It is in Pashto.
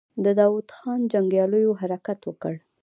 د داوود خان جنګياليو حرکت وکړ.